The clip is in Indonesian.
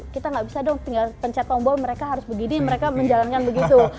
kita nggak bisa dong tinggal pencet tombol mereka harus begini mereka menjalankan begitu